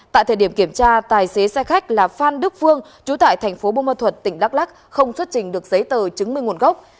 tại thời điểm kiểm tra tài xế xe khách là phan đức phương trú tại thành phố bô ma thuật tỉnh đắk lắc không xuất trình được giấy tờ chứng minh nguồn gốc